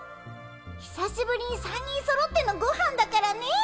ひさしぶりに３人そろってのごはんだからね